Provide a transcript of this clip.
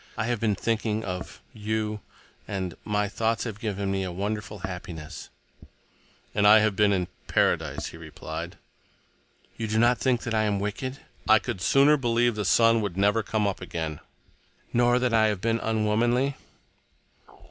I have been thinking of you. And—my thoughts have given me a wonderful happiness." "And I have been—in paradise," he replied. "You do not think that I am wicked?" "I could sooner believe the sun would never come up again." "Nor that I have been unwomanly?"